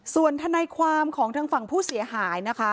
ส่วนทนายความของทางฝั่งผู้เสียหายนะคะ